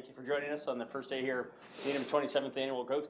Thank you for joining us on the first day here at Needham 27th Annual Growth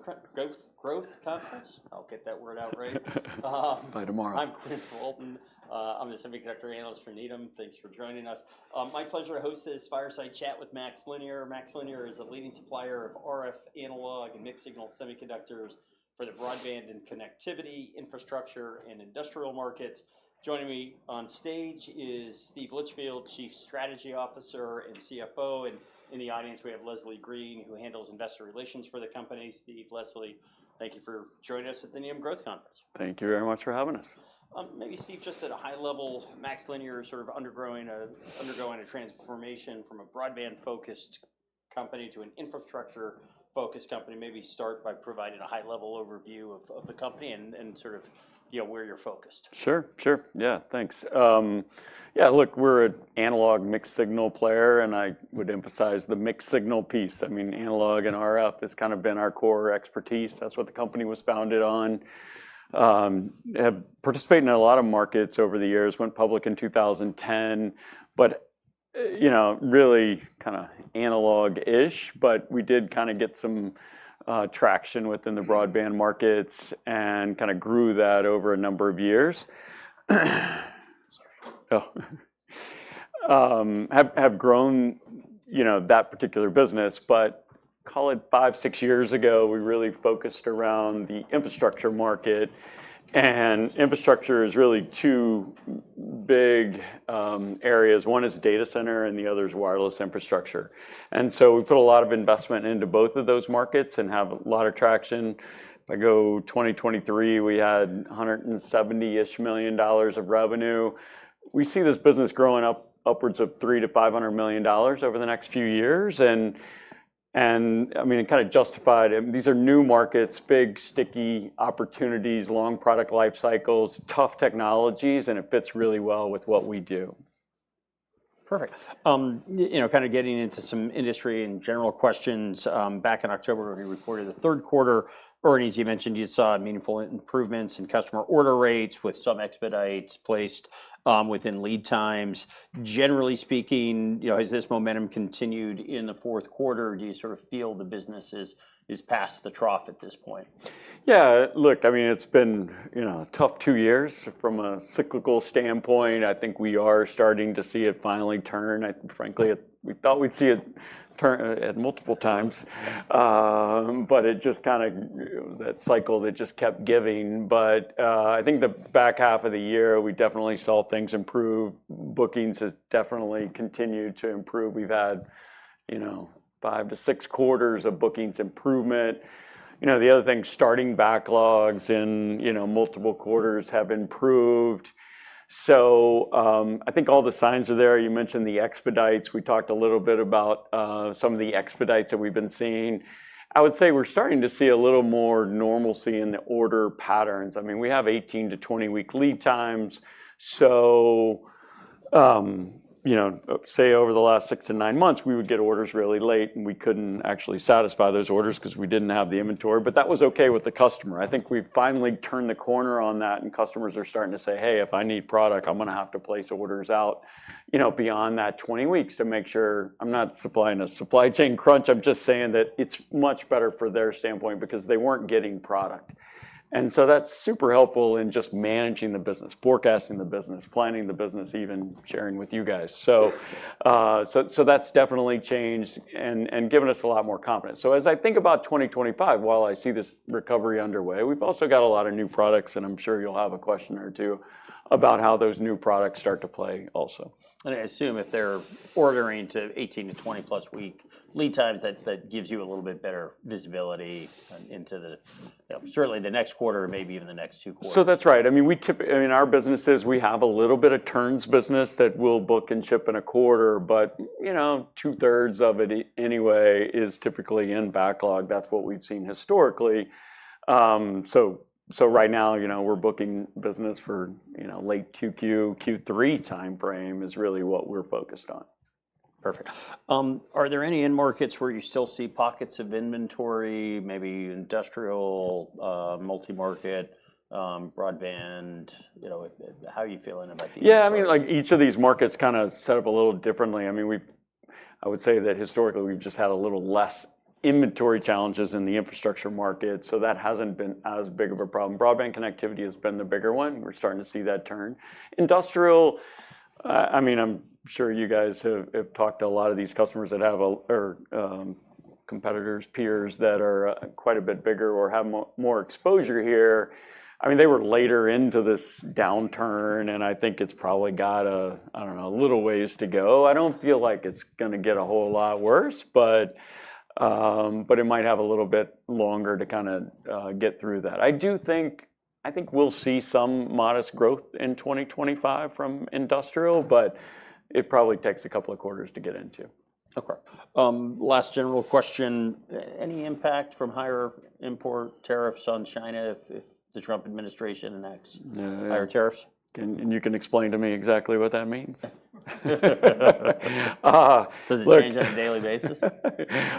Conference. I'll get that word out right. By tomorrow. I'm Quinn Bolton. I'm the semiconductor analyst for Needham. Thanks for joining us. My pleasure to host this fireside chat with MaxLinear. MaxLinear is a leading supplier of RF analog and mixed-signal semiconductors for the broadband and connectivity infrastructure and industrial markets. Joining me on stage is Steve Litchfield, Chief Strategy Officer and CFO, and in the audience, we have Leslie Green, who handles investor relations for the company. Steve, Leslie, thank you for joining us at the Needham Growth Conference. Thank you very much for having us. Maybe, Steve, just at a high level, MaxLinear is sort of undergoing a transformation from a broadband-focused company to an infrastructure-focused company. Maybe start by providing a high-level overview of the company and sort of where you're focused. Sure, sure. Yeah, thanks. Yeah, look, we're an analog mixed-signal player, and I would emphasize the mixed-signal piece. I mean, analog and RF has kind of been our core expertise. That's what the company was founded on. Participated in a lot of markets over the years. Went public in 2010, but really kind of analog-ish. But we did kind of get some traction within the broadband markets and kind of grew that over a number of years. Sorry. Have grown that particular business, but call it five, six years ago, we really focused around the infrastructure market, and infrastructure is really two big areas. One is data center, and the other is wireless infrastructure, and so we put a lot of investment into both of those markets and have a lot of traction. If I go 2023, we had $170-ish million of revenue. We see this business growing upwards of $300 million-$500 million over the next few years, and I mean, it kind of justified. These are new markets, big, sticky opportunities, long product life cycles, tough technologies, and it fits really well with what we do. Perfect. Kind of getting into some industry and general questions. Back in October, we reported the third quarter or as you mentioned you saw meaningful improvements in customer order rates with some expedites placed within lead times. Generally speaking, has this momentum continued in the fourth quarter? Do you sort of feel the business is past the trough at this point? Yeah, look, I mean, it's been a tough two years from a cyclical standpoint. I think we are starting to see it finally turn. Frankly, we thought we'd see it turn at multiple times, but it just kind of that cycle that just kept giving. But I think the back half of the year, we definitely saw things improve. Bookings have definitely continued to improve. We've had five to six quarters of bookings improvement. The other thing, starting backlogs in multiple quarters have improved. So I think all the signs are there. You mentioned the expedites. We talked a little bit about some of the expedites that we've been seeing. I would say we're starting to see a little more normalcy in the order patterns. I mean, we have 18-20 week lead times. So say over the last six to nine months, we would get orders really late, and we couldn't actually satisfy those orders because we didn't have the inventory. But that was okay with the customer. I think we've finally turned the corner on that, and customers are starting to say, "Hey, if I need product, I'm going to have to place orders out beyond that 20 weeks to make sure I'm not supplying a supply chain crunch." I'm just saying that it's much better from their standpoint because they weren't getting product. And so that's super helpful in just managing the business, forecasting the business, planning the business, even sharing with you guys. So that's definitely changed and given us a lot more confidence. So as I think about 2025, while I see this recovery underway, we've also got a lot of new products, and I'm sure you'll have a question or two about how those new products start to play also. I assume if they're ordering to 18-20-plus-week lead times, that gives you a little bit better visibility into certainly the next quarter, maybe even the next two quarters. So that's right. I mean, in our businesses, we have a little bit of turns business that we'll book and ship in a quarter, but two-thirds of it anyway is typically in backlog. That's what we've seen historically. So right now, we're booking business for late Q2, Q3 timeframe, is really what we're focused on. Perfect. Are there any end markets where you still see pockets of inventory, maybe industrial, multi-market, broadband? How are you feeling about these? Yeah, I mean, each of these markets kind of set up a little differently. I mean, I would say that historically, we've just had a little less inventory challenges in the infrastructure market, so that hasn't been as big of a problem. Broadband connectivity has been the bigger one. We're starting to see that turn. Industrial, I mean, I'm sure you guys have talked to a lot of these customers that have competitors, peers that are quite a bit bigger or have more exposure here. I mean, they were later into this downturn, and I think it's probably got a little ways to go. I don't feel like it's going to get a whole lot worse, but it might have a little bit longer to kind of get through that. I do think we'll see some modest growth in 2025 from industrial, but it probably takes a couple of quarters to get into. Okay. Last general question. Any impact from higher import tariffs on China if the Trump administration enacts higher tariffs? You can explain to me exactly what that means. Does it change on a daily basis?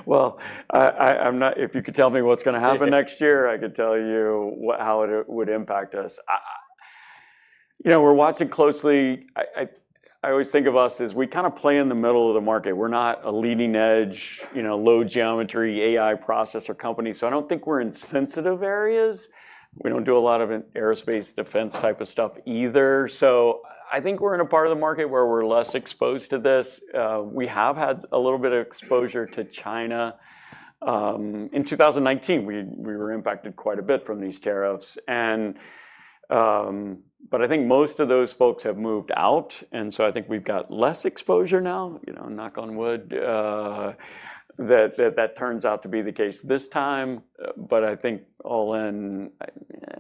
If you could tell me what's going to happen next year, I could tell you how it would impact us. We're watching closely. I always think of us as we kind of play in the middle of the market. We're not a leading-edge, low-geometry AI processor company. So I don't think we're in sensitive areas. We don't do a lot of aerospace defense type of stuff either. So I think we're in a part of the market where we're less exposed to this. We have had a little bit of exposure to China. In 2019, we were impacted quite a bit from these tariffs. But I think most of those folks have moved out, and so I think we've got less exposure now, knock on wood, that that turns out to be the case this time. But I think all in,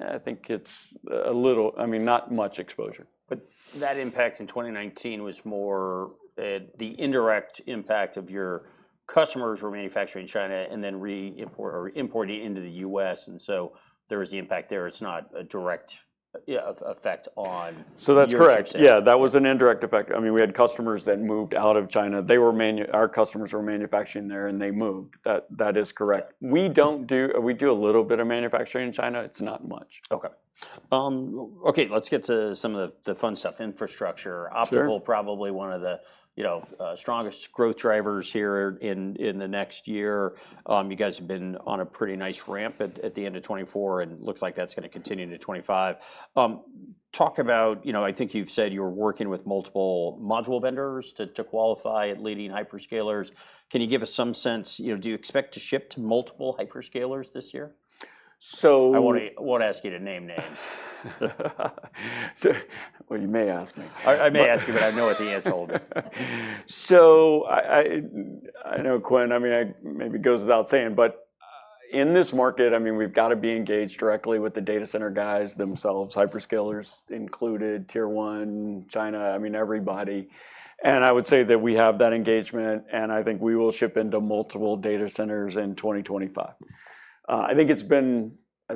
I think it's a little, I mean, not much exposure. But that impact in 2019 was more the indirect impact of your customers were manufacturing in China and then importing into the U.S. And so there was the impact there. It's not a direct effect on manufacturing. So that's correct. Yeah, that was an indirect effect. I mean, we had customers that moved out of China. Our customers were manufacturing there, and they moved. That is correct. We do a little bit of manufacturing in China. It's not much. Okay. Okay, let's get to some of the fun stuff. Infrastructure, optical, probably one of the strongest growth drivers here in the next year. You guys have been on a pretty nice ramp at the end of 2024, and it looks like that's going to continue into 2025. Talk about, I think you've said you were working with multiple module vendors to qualify at leading hyperscalers. Can you give us some sense? Do you expect to ship to multiple hyperscalers this year? So. I won't ask you to name names. You may ask me. I may ask you, but I know what the answer will be. So I know, Quinn. I mean, maybe it goes without saying, but in this market, I mean, we've got to be engaged directly with the data center guys themselves, hyperscalers included, Tier 1, China, I mean, everybody. And I would say that we have that engagement, and I think we will ship into multiple data centers in 2025. I think it's been, I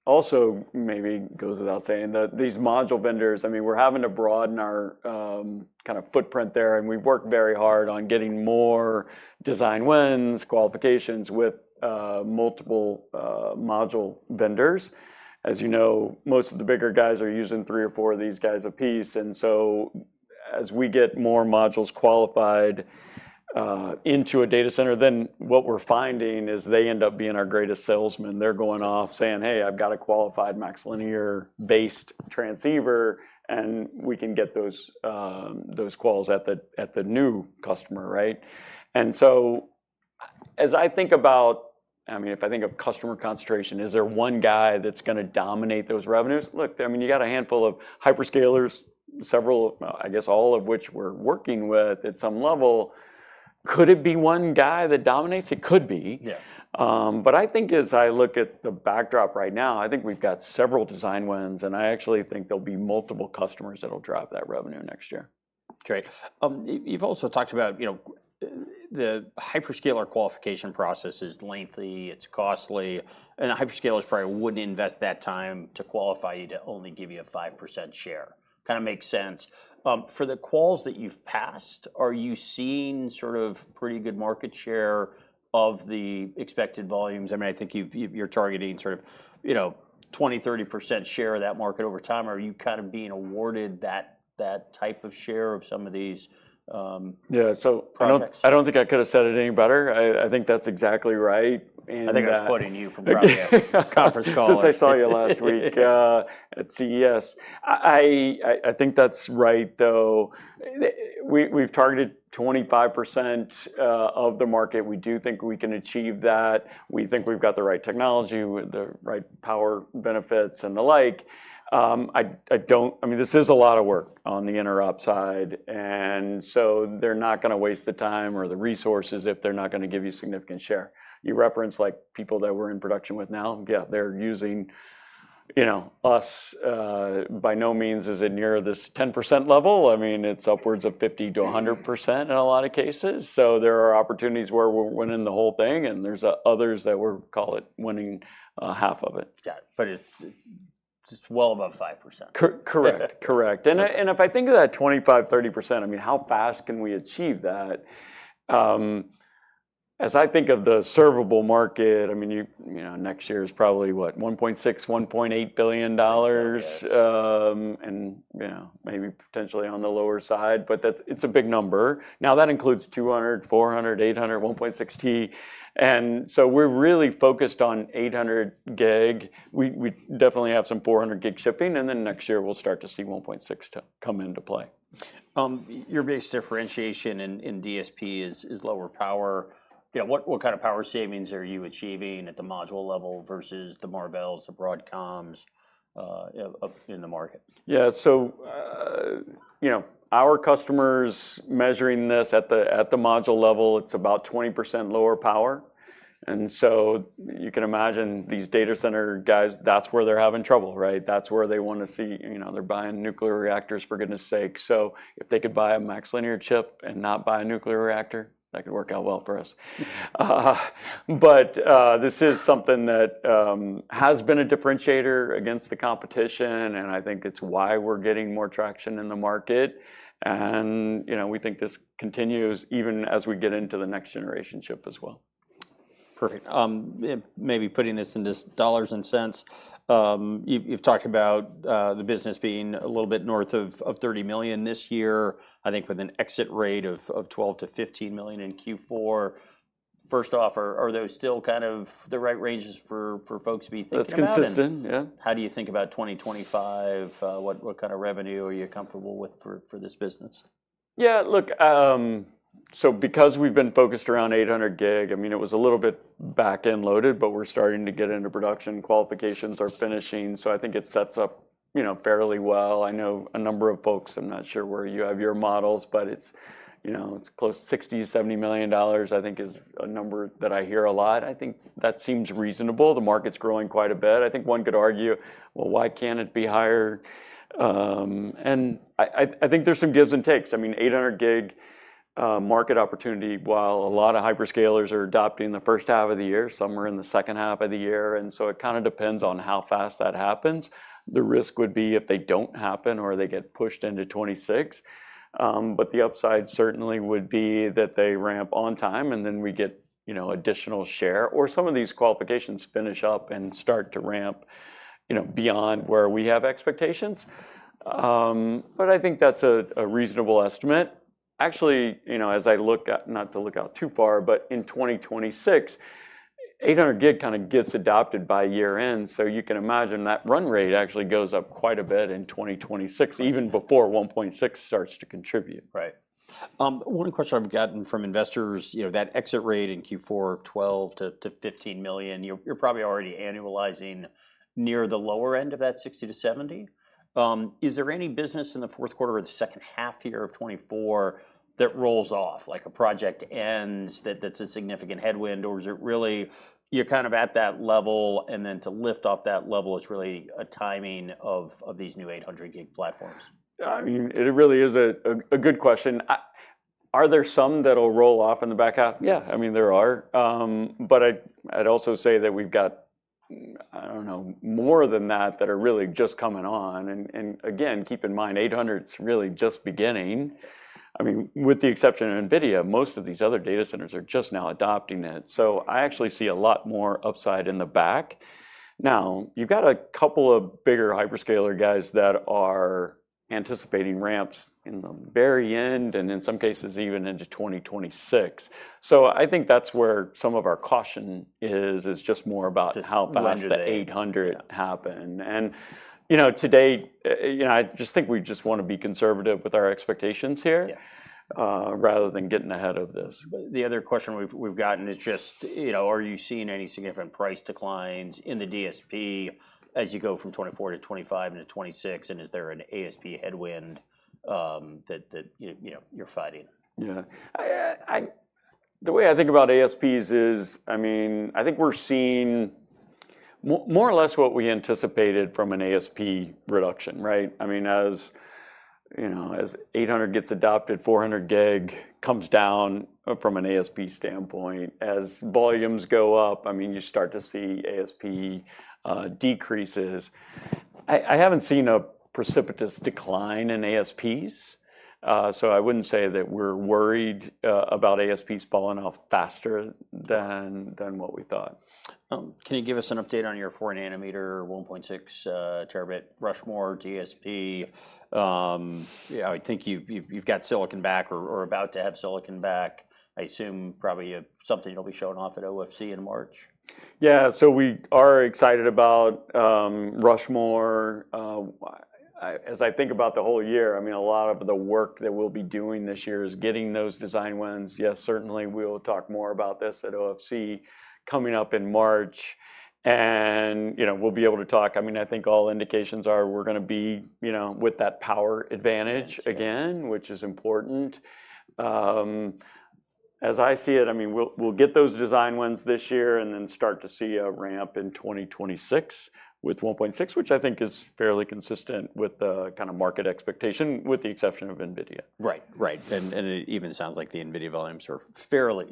think it also maybe goes without saying that these module vendors, I mean, we're having to broaden our kind of footprint there. And we've worked very hard on getting more design wins, qualifications with multiple module vendors. As you know, most of the bigger guys are using three or four of these guys apiece. And so as we get more modules qualified into a data center, then what we're finding is they end up being our greatest salesman. They're going off saying, "Hey, I've got a qualified MaxLinear-based transceiver, and we can get those quals at the new customer," right? And so as I think about, I mean, if I think of customer concentration, is there one guy that's going to dominate those revenues? Look, I mean, you got a handful of hyperscalers, several, I guess all of which we're working with at some level. Could it be one guy that dominates? It could be. But I think as I look at the backdrop right now, I think we've got several design wins, and I actually think there'll be multiple customers that'll drive that revenue next year. Great. You've also talked about the hyperscaler qualification process is lengthy. It's costly, and hyperscalers probably wouldn't invest that time to qualify you to only give you a 5% share. Kind of makes sense. For the calls that you've passed, are you seeing sort of pretty good market share of the expected volumes? I mean, I think you're targeting sort of 20%-30% share of that market over time. Are you kind of being awarded that type of share of some of these projects? Yeah, so I don't think I could have said it any better. I think that's exactly right. I think I was quoting you from a conference call. Since I saw you last week at CES. I think that's right, though. We've targeted 25% of the market. We do think we can achieve that. We think we've got the right technology, the right power benefits, and the like. I mean, this is a lot of work on the interop side. And so they're not going to waste the time or the resources if they're not going to give you significant share. You referenced people that we're in production with now. Yeah, they're using us by no means as near this 10% level. I mean, it's upwards of 50%-100% in a lot of cases. So there are opportunities where we're winning the whole thing, and there's others that we're calling it winning half of it. Yeah, but it's well above 5%. Correct, correct. And if I think of that 25%-30%, I mean, how fast can we achieve that? As I think of the addressable market, I mean, next year is probably what, $1.6 billion-$1.8 billion, and maybe potentially on the lower side. But it's a big number. Now, that includes 200, 400, 800, 1.6T. And so we're really focused on 800 gig. We definitely have some 400 gig shipping, and then next year, we'll start to see 1.6 come into play. Your biggest differentiation in DSP is lower power. What kind of power savings are you achieving at the module level versus the Marvells, the Broadcoms in the market? Yeah, so our customers measuring this at the module level, it's about 20% lower power. And so you can imagine these data center guys, that's where they're having trouble, right? That's where they want to see. They're buying nuclear reactors for goodness' sake. So if they could buy a MaxLinear chip and not buy a nuclear reactor, that could work out well for us. But this is something that has been a differentiator against the competition, and I think it's why we're getting more traction in the market. And we think this continues even as we get into the next generation chip as well. Perfect. Maybe putting this into dollars and cents. You've talked about the business being a little bit north of $30 million this year, I think with an exit rate of $12 million-$15 million in Q4. First off, are those still kind of the right ranges for folks to be thinking about? It's consistent, yeah. How do you think about 2025? What kind of revenue are you comfortable with for this business? Yeah, look, so because we've been focused around 800 gig, I mean, it was a little bit back-end loaded, but we're starting to get into production. Qualifications are finishing. So I think it sets up fairly well. I know a number of folks, I'm not sure where you have your models, but it's close to $60-$70 million, I think, is a number that I hear a lot. I think that seems reasonable. The market's growing quite a bit. I think one could argue, well, why can't it be higher? And I think there's some gives and takes. I mean, 800 gig market opportunity, while a lot of hyperscalers are adopting the first half of the year, some are in the second half of the year. And so it kind of depends on how fast that happens. The risk would be if they don't happen or they get pushed into 2026. But the upside certainly would be that they ramp on time, and then we get additional share. Or some of these qualifications finish up and start to ramp beyond where we have expectations. But I think that's a reasonable estimate. Actually, as I look at, not to look out too far, but in 2026, 800 gig kind of gets adopted by year-end. So you can imagine that run rate actually goes up quite a bit in 2026, even before 1.6 starts to contribute. Right. One question I've gotten from investors, that exit rate in Q4 of $12million-$15 million, you're probably already annualizing near the lower end of that 60 to 70. Is there any business in the fourth quarter or the second half year of 2024 that rolls off, like a project ends that's a significant headwind, or is it really you're kind of at that level, and then to lift off that level, it's really a timing of these new 800 gig platforms? I mean, it really is a good question. Are there some that'll roll off in the back half? Yeah. I mean, there are. But I'd also say that we've got, I don't know, more than that that are really just coming on. And again, keep in mind, 800's really just beginning. I mean, with the exception of NVIDIA, most of these other data centers are just now adopting it. So I actually see a lot more upside in the back. Now, you've got a couple of bigger hyperscaler guys that are anticipating ramps in the very end and in some cases even into 2026. So I think that's where some of our caution is, is just more about how fast the 800 happen. And today, I just think we just want to be conservative with our expectations here rather than getting ahead of this. The other question we've gotten is just, are you seeing any significant price declines in the DSP as you go from 2024 to 2025 into 2026? And is there an ASP headwind that you're fighting? Yeah. The way I think about ASPs is, I mean, I think we're seeing more or less what we anticipated from an ASP reduction, right? I mean, as 800 gets adopted, 400 gig comes down from an ASP standpoint. As volumes go up, I mean, you start to see ASP decreases. I haven't seen a precipitous decline in ASPs. So I wouldn't say that we're worried about ASPs falling off faster than what we thought. Can you give us an update on your 4 nm 1.6 Tb Rushmore DSP? Yeah, I think you've got silicon back or about to have silicon back, I assume probably something you'll be showing off at OFC in March. Yeah, so we are excited about Rushmore. As I think about the whole year, I mean, a lot of the work that we'll be doing this year is getting those design wins. Yes, certainly, we'll talk more about this at OFC coming up in March. And we'll be able to talk, I mean, I think all indications are we're going to be with that power advantage again, which is important. As I see it, I mean, we'll get those design wins this year and then start to see a ramp in 2026 with 1.6, which I think is fairly consistent with the kind of market expectation, with the exception of NVIDIA. Right, right. And it even sounds like the NVIDIA volumes are fairly.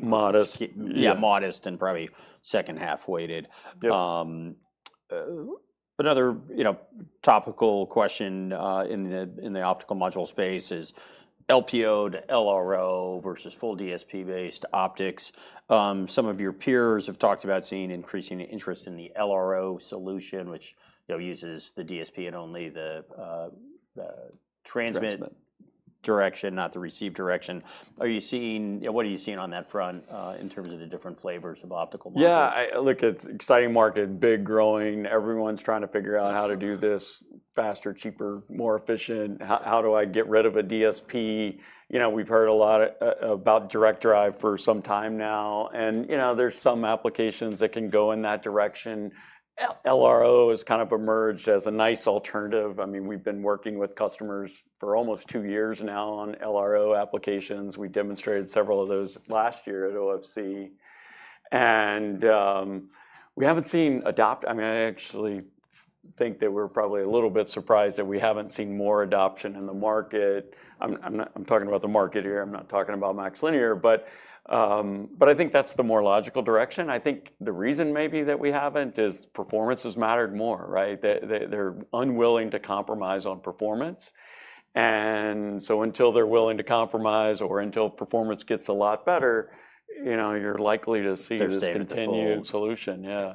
Modest. Yeah, modest and probably second half weighted. Another topical question in the optical module space is LPO to LRO versus full DSP-based optics. Some of your peers have talked about seeing increasing interest in the LRO solution, which uses the DSP in only the transmit direction, not the receive direction. Are you seeing what you are seeing on that front in terms of the different flavors of optical markets? Yeah, look, it's an exciting market, big growing. Everyone's trying to figure out how to do this faster, cheaper, more efficient. How do I get rid of a DSP? We've heard a lot about direct drive for some time now, and there's some applications that can go in that direction. LRO has kind of emerged as a nice alternative. I mean, we've been working with customers for almost two years now on LRO applications. We demonstrated several of those last year at OFC, and we haven't seen adoption. I mean, I actually think that we're probably a little bit surprised that we haven't seen more adoption in the market. I'm talking about the market here. I'm not talking about MaxLinear, but I think that's the more logical direction. I think the reason maybe that we haven't is performance has mattered more, right? They're unwilling to compromise on performance. And so until they're willing to compromise or until performance gets a lot better, you're likely to see this continual solution, yeah.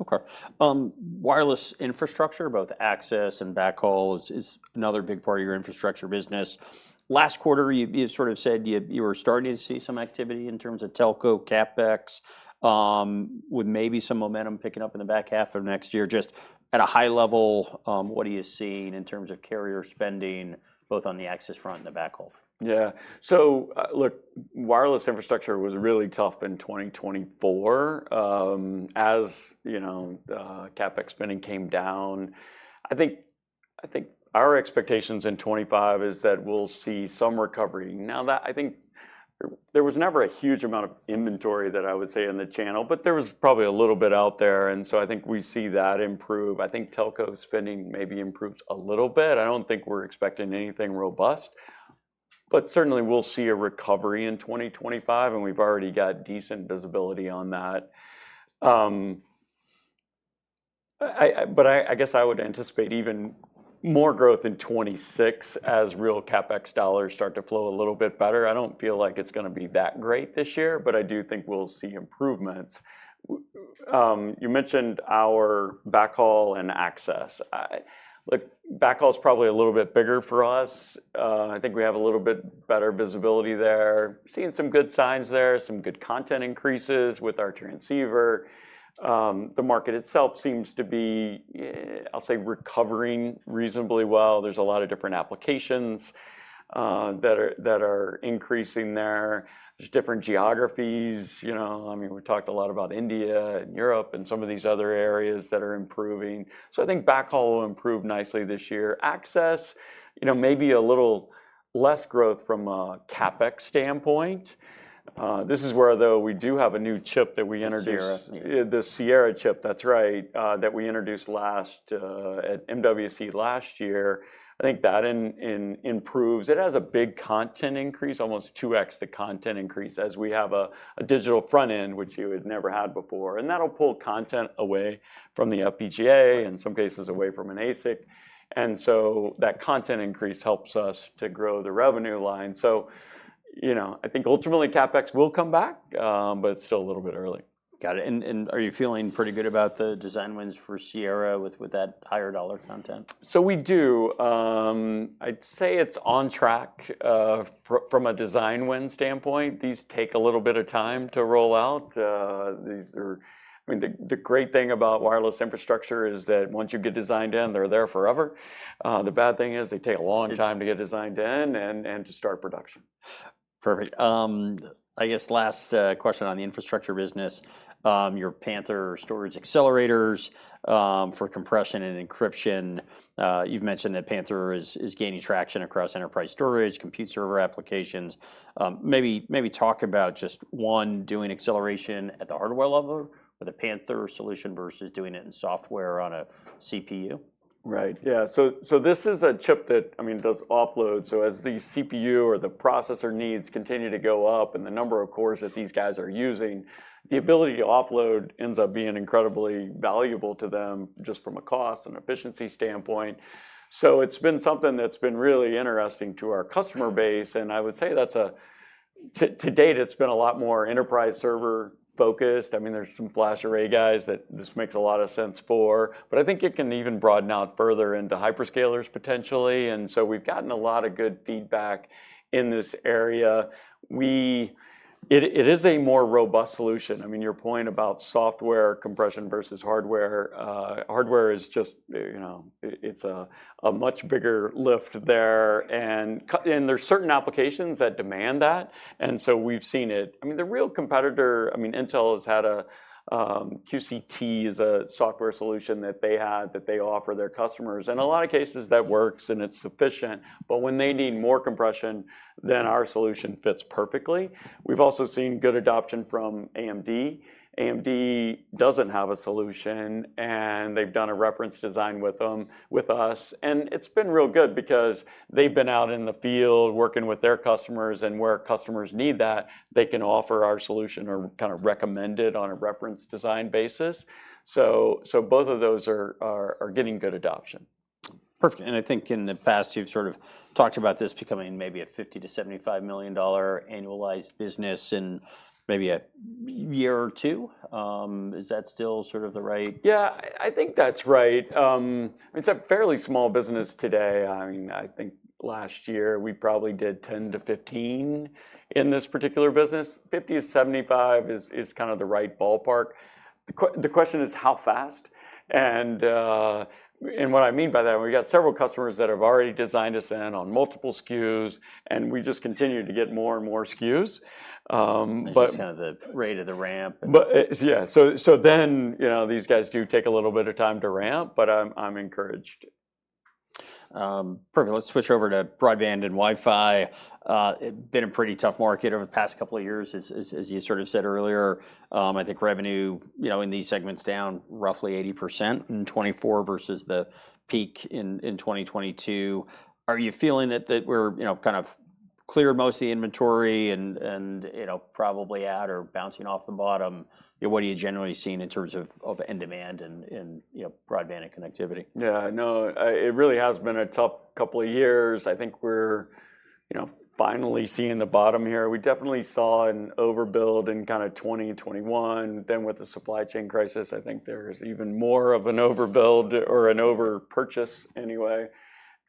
Okay. Wireless infrastructure, both access and backhaul is another big part of your infrastructure business. Last quarter, you sort of said you were starting to see some activity in terms of telco, CapEx, with maybe some momentum picking up in the back half of next year. Just at a high level, what are you seeing in terms of carrier spending, both on the access front and the backhaul? Yeah. So look, wireless infrastructure was really tough in 2024 as CapEx spending came down. I think our expectations in 2025 is that we'll see some recovery. Now, I think there was never a huge amount of inventory that I would say in the channel, but there was probably a little bit out there. And so I think we see that improve. I think telco spending maybe improves a little bit. I don't think we're expecting anything robust. But certainly, we'll see a recovery in 2025, and we've already got decent visibility on that. But I guess I would anticipate even more growth in 2026 as real CapEx dollars start to flow a little bit better. I don't feel like it's going to be that great this year, but I do think we'll see improvements. You mentioned our backhaul and access. Look, backhaul is probably a little bit bigger for us. I think we have a little bit better visibility there. Seeing some good signs there, some good content increases with our transceiver. The market itself seems to be, I'll say, recovering reasonably well. There's a lot of different applications that are increasing there. There's different geographies. I mean, we talked a lot about India and Europe and some of these other areas that are improving. So I think backhaul will improve nicely this year. Access, maybe a little less growth from a CapEx standpoint. This is where, though, we do have a new chip that we introduced. Sierra. The Sierra chip, that's right, that we introduced at MWC last year. I think that improves. It has a big content increase, almost 2x the content increase as we have a digital front end, which you had never had before. And that'll pull content away from the FPGA, in some cases away from an ASIC. And so that content increase helps us to grow the revenue line. So I think ultimately, CapEx will come back, but it's still a little bit early. Got it. And are you feeling pretty good about the design wins for Sierra with that higher dollar content? So we do. I'd say it's on track from a design win standpoint. These take a little bit of time to roll out. I mean, the great thing about wireless infrastructure is that once you get designed in, they're there forever. The bad thing is they take a long time to get designed in and to start production. Perfect. I guess last question on the infrastructure business, your Panther storage accelerators for compression and encryption. You've mentioned that Panther is gaining traction across enterprise storage, compute server applications. Maybe talk about just one doing acceleration at the hardware level with a Panther solution versus doing it in software on a CPU. Right, yeah. So this is a chip that, I mean, does offload. So as the CPU or the processor needs continue to go up and the number of cores that these guys are using, the ability to offload ends up being incredibly valuable to them just from a cost and efficiency standpoint. So it's been something that's been really interesting to our customer base. And I would say that to date, it's been a lot more enterprise server focused. I mean, there's some flash array guys that this makes a lot of sense for. But I think it can even broaden out further into hyperscalers potentially. And so we've gotten a lot of good feedback in this area. It is a more robust solution. I mean, your point about software compression versus hardware, hardware is just, it's a much bigger lift there. And there's certain applications that demand that. And so we've seen it. I mean, the real competitor, I mean, Intel has QCT. It is a software solution that they offer their customers. And in a lot of cases, that works and it's sufficient. But when they need more compression, then our solution fits perfectly. We've also seen good adoption from AMD. AMD doesn't have a solution, and they've done a reference design with us. And it's been real good because they've been out in the field working with their customers. And where customers need that, they can offer our solution or kind of recommend it on a reference design basis. So both of those are getting good adoption. Perfect. And I think in the past, you've sort of talked about this becoming maybe a $50 million-$75 million annualized business in maybe a year or two. Is that still sort of the right? Yeah, I think that's right. It's a fairly small business today. I mean, I think last year we probably did 10-15 in this particular business. 50-75 is kind of the right ballpark. The question is how fast. And what I mean by that, we've got several customers that have already designed us in on multiple SKUs, and we just continue to get more and more SKUs. Based on the rate of the ramp. Yeah, so then these guys do take a little bit of time to ramp, but I'm encouraged. Perfect. Let's switch over to broadband and Wi-Fi. It's been a pretty tough market over the past couple of years, as you sort of said earlier. I think revenue in these segments down roughly 80% in 2024 versus the peak in 2022. Are you feeling that we're kind of cleared most of the inventory and probably out or bouncing off the bottom? What are you generally seeing in terms of end demand and broadband and connectivity? Yeah, no, it really has been a tough couple of years. I think we're finally seeing the bottom here. We definitely saw an overbuild in kind of 2021. Then with the supply chain crisis, I think there is even more of an overbuild or an overpurchase anyway.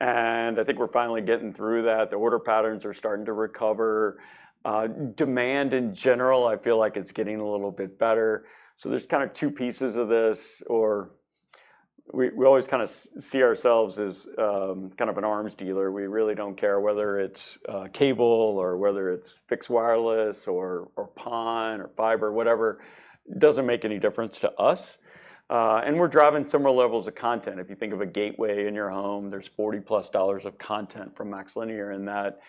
And I think we're finally getting through that. The order patterns are starting to recover. Demand in general, I feel like it's getting a little bit better. So there's kind of two pieces of this. We always kind of see ourselves as kind of an arms dealer. We really don't care whether it's cable or whether it's fixed wireless or PON or fiber, whatever. It doesn't make any difference to us. And we're driving similar levels of content. If you think of a gateway in your home, there's $40 plus dollars of content from MaxLinear in that.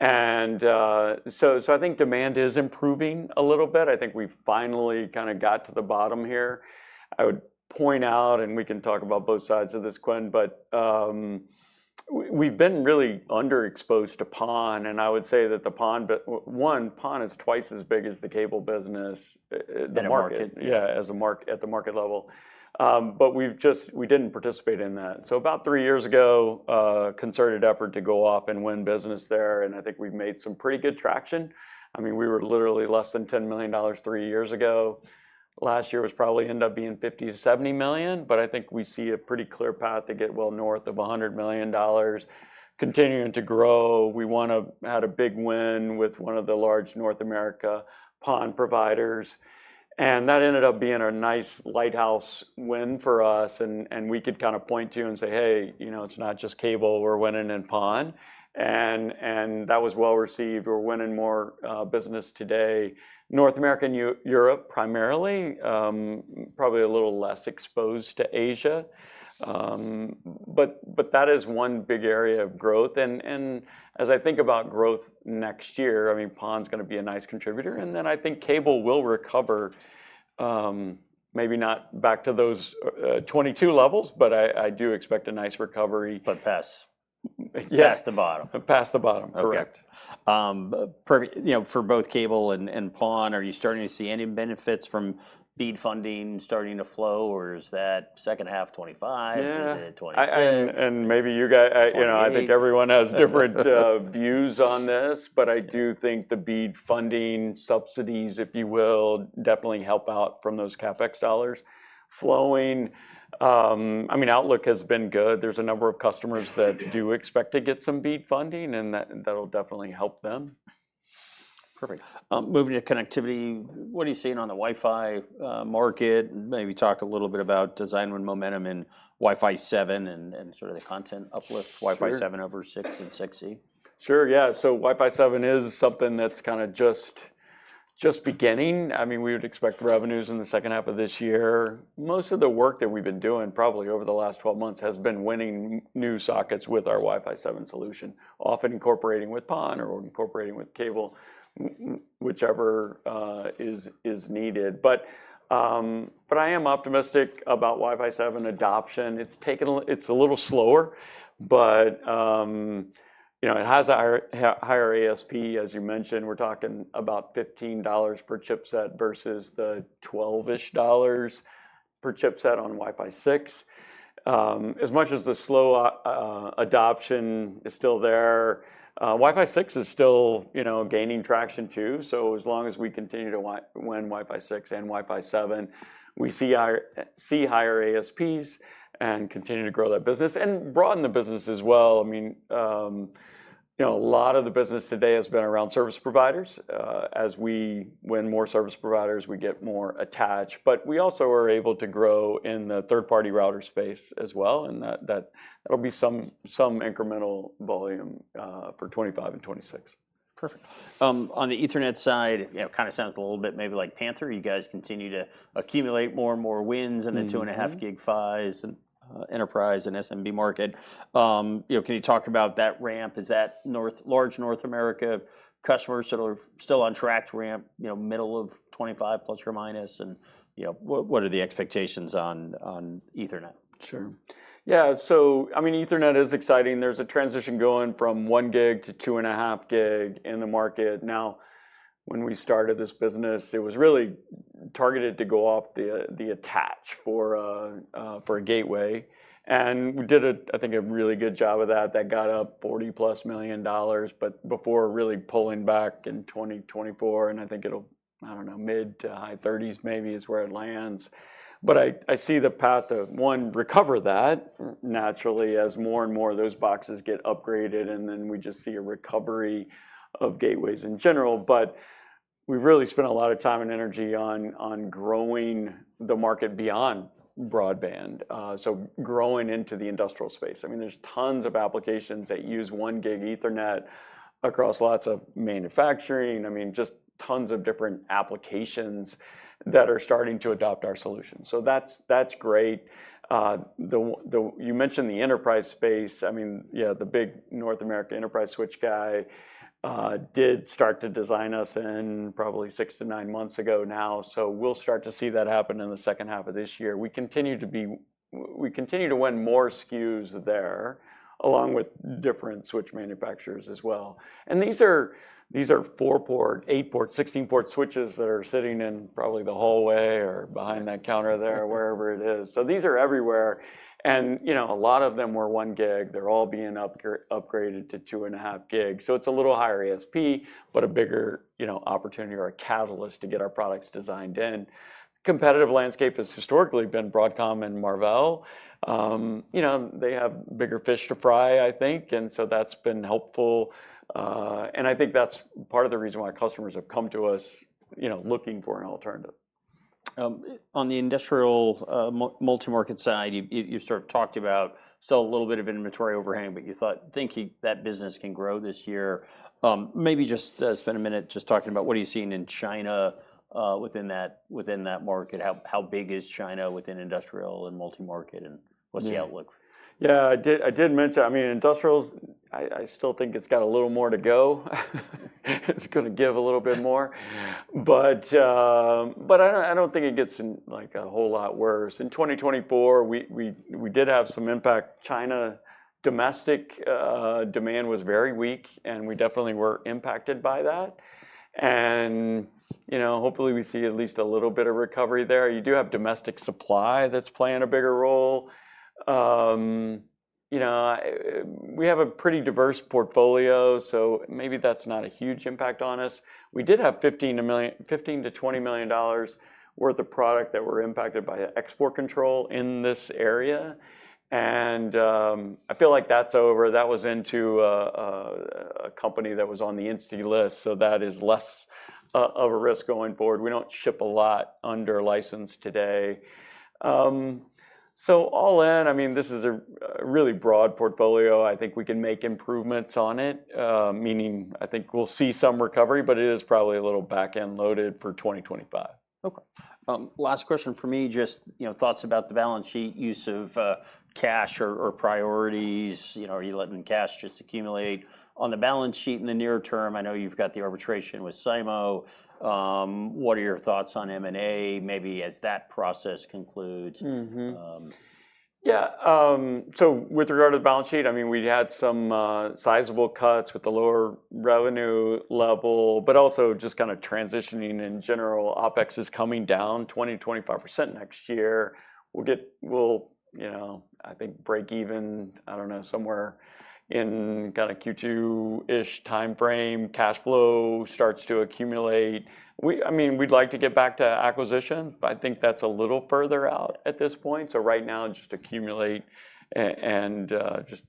And so I think demand is improving a little bit. I think we finally kind of got to the bottom here. I would point out, and we can talk about both sides of this, Quinn, but we've been really underexposed to PON. And I would say that the PON, one, PON is twice as big as the cable business. Than the market. Yeah, at the market level. But we didn't participate in that. So about three years ago, concerted effort to go off and win business there. And I think we've made some pretty good traction. I mean, we were literally less than $10 million three years ago. Last year was probably ended up being $50 million-$70 million. But I think we see a pretty clear path to get well north of $100 million continuing to grow. We had a big win with one of the large North America PON providers. And that ended up being a nice lighthouse win for us. And we could kind of point to and say, "Hey, it's not just cable. We're winning in PON." And that was well received. We're winning more business today. North America and Europe primarily, probably a little less exposed to Asia. But that is one big area of growth. As I think about growth next year, I mean, PON is going to be a nice contributor. Then I think cable will recover, maybe not back to those 22 levels, but I do expect a nice recovery. But pass. Yes. Past the bottom. Past the bottom, correct. Perfect. For both cable and PON, are you starting to see any benefits from BEAD funding starting to flow? Or is that second half 2025? Is it 2026? Maybe you guys, I think everyone has different views on this. I do think the BEAD funding subsidies, if you will, definitely help out from those CapEx dollars flowing. I mean, outlook has been good. There's a number of customers that do expect to get some BEAD funding, and that'll definitely help them. Perfect. Moving to connectivity, what are you seeing on the Wi-Fi market? Maybe talk a little bit about design win momentum in Wi-Fi 7 and sort of the content uplift, Wi-Fi 7 over 6 and 6E. Sure, yeah. So Wi-Fi 7 is something that's kind of just beginning. I mean, we would expect revenues in the second half of this year. Most of the work that we've been doing probably over the last 12 months has been winning new sockets with our Wi-Fi 7 solution, often incorporating with PON or incorporating with cable, whichever is needed. But I am optimistic about Wi-Fi 7 adoption. It's a little slower, but it has a higher ASP, as you mentioned. We're talking about $15 per chipset versus the $12-ish dollars per chipset on Wi-Fi 6. As much as the slow adoption is still there, Wi-Fi 6 is still gaining traction too. So as long as we continue to win Wi-Fi 6 and Wi-Fi 7, we see higher ASPs and continue to grow that business and broaden the business as well. I mean, a lot of the business today has been around service providers. As we win more service providers, we get more attached. But we also are able to grow in the third-party router space as well. And that'll be some incremental volume for 2025 and 2026. Perfect. On the ethernet side, it kind of sounds a little bit maybe like Panther. You guys continue to accumulate more and more wins in the 2.5 gig PHYs and enterprise and SMB market. Can you talk about that ramp? Is that large North America customers that are still on track to ramp middle of 2025 plus or minus? And what are the expectations on ethernet? Sure. Yeah. So I mean, ethernet is exciting. There's a transition going from 1 gig to 2.5 gig in the market. Now, when we started this business, it was really targeted to go off the attach for a gateway. And we did, I think, a really good job of that. That got up to $40-plus million, but before really pulling back in 2024. And I think it'll, I don't know, mid- to high 30s maybe is where it lands. But I see the path to, one, recover that naturally as more and more of those boxes get upgraded. And then we just see a recovery of gateways in general. But we've really spent a lot of time and energy on growing the market beyond broadband, so growing into the industrial space. I mean, there's tons of applications that use 1 gig ethernet across lots of manufacturing. I mean, just tons of different applications that are starting to adopt our solution. So that's great. You mentioned the enterprise space. I mean, yeah, the big North America enterprise switch guy did start to design us in probably six to nine months ago now. So we'll start to see that happen in the second half of this year. We continue to win more SKUs there along with different switch manufacturers as well, and these are 4-port, 8-port, 16-port switches that are sitting in probably the hallway or behind that counter there, wherever it is. So these are everywhere, and a lot of them were 1 gig. They're all being upgraded to 2.5 gig. So it's a little higher ASP, but a bigger opportunity or a catalyst to get our products designed in. Competitive landscape has historically been Broadcom and Marvell. They have bigger fish to fry, I think. And so that's been helpful. And I think that's part of the reason why customers have come to us looking for an alternative. On the industrial multi-market side, you sort of talked about still a little bit of inventory overhang, but you think that business can grow this year. Maybe just spend a minute just talking about what are you seeing in China within that market? How big is China within industrial and multi-market? And what's the outlook? Yeah, I did mention, I mean, industrials, I still think it's got a little more to go. It's going to give a little bit more, but I don't think it gets a whole lot worse. In 2024, we did have some impact. China domestic demand was very weak, and we definitely were impacted by that, and hopefully, we see at least a little bit of recovery there. You do have domestic supply that's playing a bigger role. We have a pretty diverse portfolio, so maybe that's not a huge impact on us. We did have $15 million-$20 million worth of product that were impacted by export control in this area, and I feel like that's over. That was into a company that was on the Entity List, so that is less of a risk going forward. We don't ship a lot under license today. So all in, I mean, this is a really broad portfolio. I think we can make improvements on it, meaning I think we'll see some recovery, but it is probably a little back end loaded for 2025. Okay. Last question for me, just thoughts about the balance sheet use of cash or priorities. Are you letting cash just accumulate on the balance sheet in the near term? I know you've got the arbitration with SIMO. What are your thoughts on M&A maybe as that process concludes? Yeah. So with regard to the balance sheet, I mean, we had some sizable cuts with the lower revenue level, but also just kind of transitioning in general. OpEx is coming down 20%-25% next year. We'll, I think, break even, I don't know, somewhere in kind of Q2-ish timeframe. Cash flow starts to accumulate. I mean, we'd like to get back to acquisition, but I think that's a little further out at this point. So right now, just accumulate and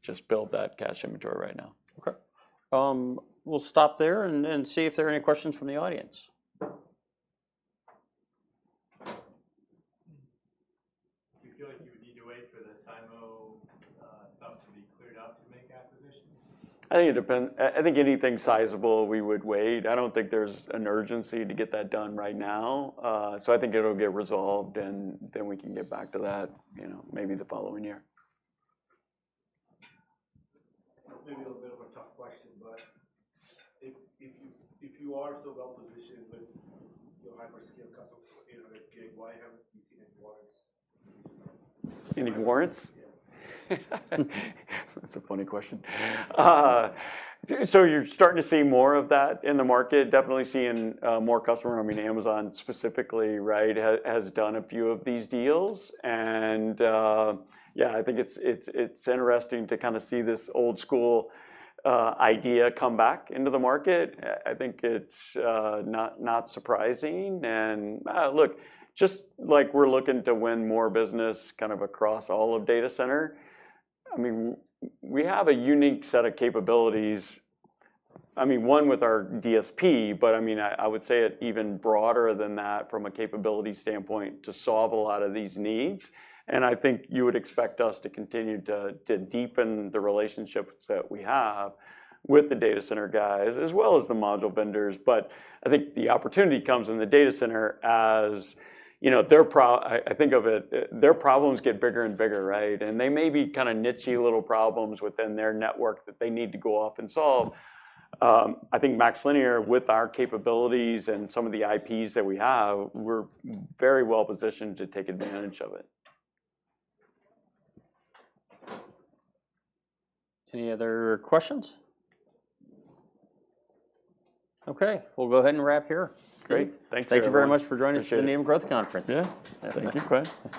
just build that cash inventory right now. Okay. We'll stop there and see if there are any questions from the audience. Do you feel like you would need to wait for the SIMO stuff to be cleared up to make acquisitions? I think it depends. I think anything sizable, we would wait. I don't think there's an urgency to get that done right now. So I think it'll get resolved, and then we can get back to that maybe the following year. Maybe a little bit of a tough question, but if you are so well positioned with your hyperscale customers with 800 gig, why haven't you seen any warrants? Any warrants? Yeah. That's a funny question. You're starting to see more of that in the market. Definitely seeing more customers. I mean, Amazon specifically, right, has done a few of these deals. Yeah, I think it's interesting to kind of see this old-school idea come back into the market. I think it's not surprising. Look, just like we're looking to win more business kind of across all of data center. I mean, we have a unique set of capabilities. I mean, one with our DSP, but I mean, I would say it even broader than that from a capability standpoint to solve a lot of these needs. I think you would expect us to continue to deepen the relationships that we have with the data center guys as well as the module vendors. But I think the opportunity comes in the data center as I think of it, their problems get bigger and bigger, right? And they may be kind of nichey little problems within their network that they need to go off and solve. I think MaxLinear, with our capabilities and some of the IPs that we have, we're very well positioned to take advantage of it. Any other questions? Okay. We'll go ahead and wrap here. Great. Thank you very much for joining us for the Needham Growth Conference. Yeah. Thank you.